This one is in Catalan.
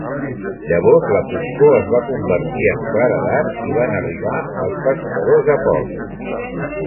Llavors la foscor es va convertir en claredat i van arribar els pescadors a port.